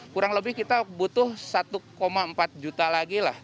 kurang lebih kita butuh satu empat juta lagi lah